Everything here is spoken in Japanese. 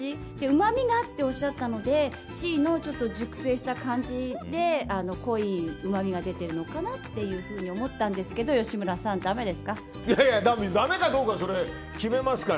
うまみがっておっしゃったのでＣの、ちょっと熟成した感じで濃いうまみが出てるのかなって思ったんですけど、吉村さんだめですか？